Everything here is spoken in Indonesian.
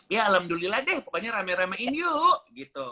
ya alhamdulillah deh pokoknya rame ramein yuk gitu